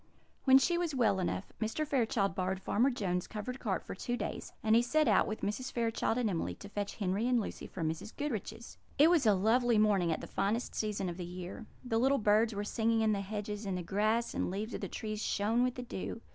When she was well enough, Mr. Fairchild borrowed Farmer Jones's covered cart for two days; and he set out, with Mrs. Fairchild and Emily, to fetch Henry and Lucy from Mrs. Goodriche's. It was a lovely morning at the finest season of the year. The little birds were singing in the hedges, and the grass and leaves of the trees shone with the dew.